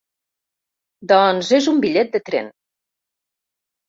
Doncs és un bitllet de tren.